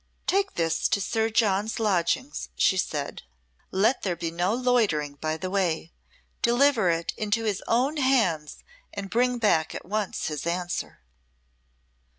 "Take this to Sir John's lodgings," she said. "Let there be no loitering by the way. Deliver into his own hands, and bring back at once his answer."